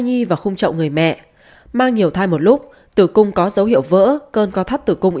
nhi và khung chậu người mẹ mang nhiều thai một lúc tử cung có dấu hiệu vỡ cơn co thắt tử cung